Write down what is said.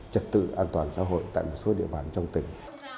trật tự an toàn xã hội tại một số địa bàn trong tỉnh